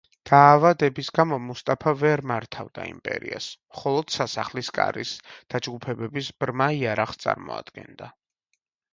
დაავადების გამო, მუსტაფა ვერ მართავდა იმპერიას, მხოლოდ სასახლის კარის დაჯგუფებების ბრმა იარაღს წარმოადგენდა.